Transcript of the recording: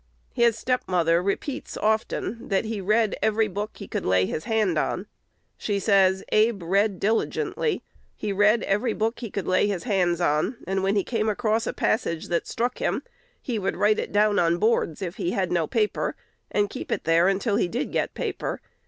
His step mother1 repeats often, that "he read every book he could lay his hand on." She says, "Abe read diligently.... He read every book he could lay his hands on; and, when he came across a passage that struck him, he would write it down on boards if he had no paper, and keep it there until he did get paper.